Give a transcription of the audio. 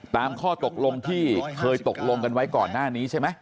ตามข้อตกลงที่เคยตกลงกันไว้ก่อนหน้านี้ใช่ไหม